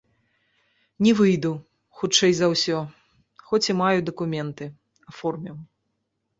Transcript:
Не выйду, хутчэй за ўсё, хоць і маю дакументы, аформіў.